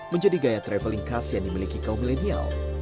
menjadi gaya traveling khas yang dimiliki kaum milenial